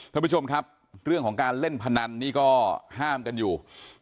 ท่านผู้ชมครับเรื่องของการเล่นพนันนี่ก็ห้ามกันอยู่